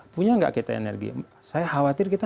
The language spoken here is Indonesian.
punya nggak kita energi saya khawatir kita